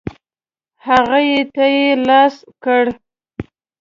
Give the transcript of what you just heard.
هغې ته یې لاس کړ.